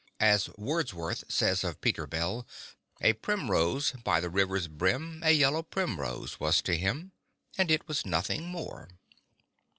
As Wordsworth says of Peter Bell, "A primrose by the river's brim A yellow primrose was to him, And it was nothing more."